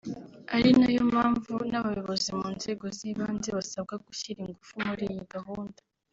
Ari nayo mpamvu n’abayobozi mu nzego z’ibanze basabwa gushyira ingufu muri iyi gahunda